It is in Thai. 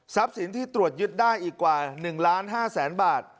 ทรัพย์สินที่ตรวจยึดได้อีกกว่า๑๕๐๐๐๐๐บาท